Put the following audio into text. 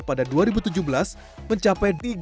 pada dua ribu tujuh belas mencapai